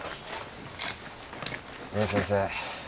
ねえ先生。